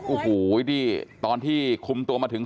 โอ้โหนี่ตอนที่คุมตัวมาถึง